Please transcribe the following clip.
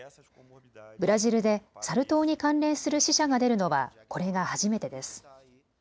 ブラジルでサル痘に関連する死者が出るのはこれが初めてです。